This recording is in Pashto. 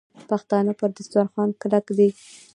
پښتانه پر دسترخوان کلک دي.